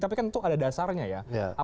tapi kan itu ada dasarnya ya